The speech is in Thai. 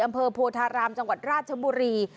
อำเภอโพธารามจังหวัดราชบุรี